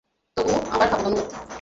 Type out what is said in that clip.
তবুও আবার খাবো, ধন্যবাদ।